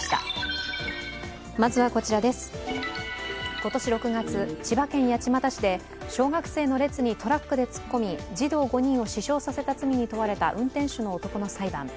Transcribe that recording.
今年６月、千葉県八街市で小学生の列にトラックで突っ込み児童５人を死傷させた罪に問われた運転手の男の裁判。